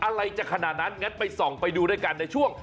อะไรจะขนาดนั้นงั้นไปส่องไปดูด้วยกันในช่วง